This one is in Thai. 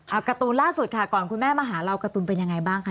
เอาการ์ตูนล่าสุดค่ะก่อนคุณแม่มาหาเราการ์ตูนเป็นยังไงบ้างคะ